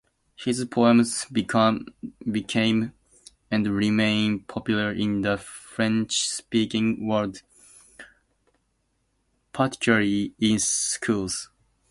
His poems became and remain popular in the French-speaking world, particularly in schools.